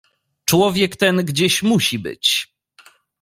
"Człowiek ten gdzieś musi być."